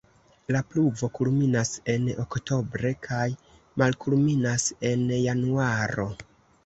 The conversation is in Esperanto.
La pluvo kulminas en oktobre kaj malkulminas en januaro.